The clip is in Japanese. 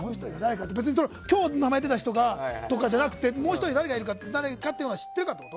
別に今日名前出た人とかじゃなくてもう１人、誰がいるかって知っているかってこと？